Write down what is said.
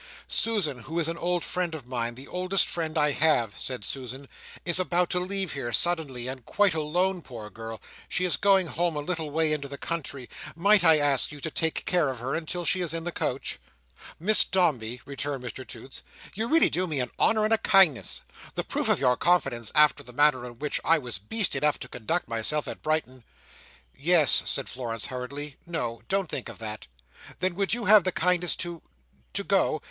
"Susan, who is an old friend of mine, the oldest friend I have," said Florence, "is about to leave here suddenly, and quite alone, poor girl. She is going home, a little way into the country. Might I ask you to take care of her until she is in the coach?" "Miss Dombey," returned Mr Toots, "you really do me an honour and a kindness. This proof of your confidence, after the manner in which I was Beast enough to conduct myself at Brighton—" "Yes," said Florence, hurriedly—"no—don't think of that. Then would you have the kindness to—to go?